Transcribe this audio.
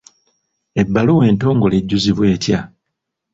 Ebbaluwa entongole ejjuzibwa etya?